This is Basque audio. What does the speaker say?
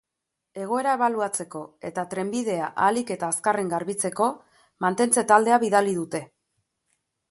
Egoera ebaluatzeko eta trenbidea ahalik eta azkarren garbitzeko mantentze-taldea bidali dute.